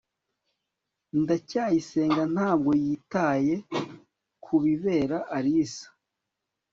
ndacyayisenga ntabwo yitaye kubibera alice